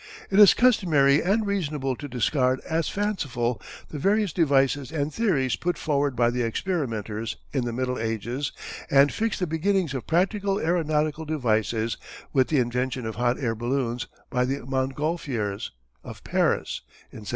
It is customary and reasonable to discard as fanciful the various devices and theories put forward by the experimenters in the Middle Ages and fix the beginning of practical aeronautical devices with the invention of hot air balloons by the Montgolfiers, of Paris, in 1783.